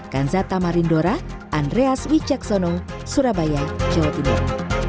kanzata marindora andreas wijaksono surabaya jawa timur